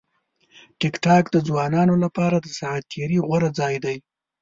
ټیکټاک د ځوانانو لپاره د ساعت تېري غوره ځای دی.